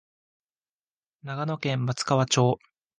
長野県松川町